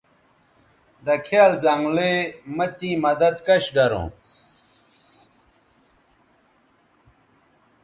دکھیال زنگلئ مہ تیں مدد کش گروں